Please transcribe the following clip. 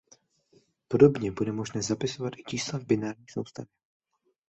Podobně bude možné zapisovat i čísla v binární soustavě.